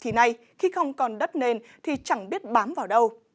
thì nay khi không còn đất nền thì chẳng biết bám vào đâu